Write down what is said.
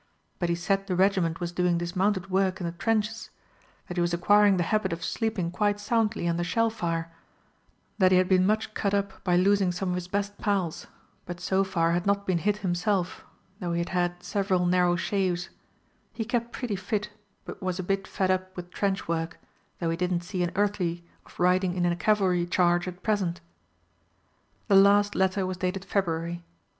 But he said the regiment was doing dismounted work in the trenches; that he was acquiring the habit of sleeping quite soundly under shell fire; that he had been much cut up by losing some of his best pals, but so far had not been hit himself, though he had had several narrow shaves; he kept pretty fit, but was a bit fed up with trench work, though he didn't see an earthly of riding in a cavalry charge at present. The last letter was dated February.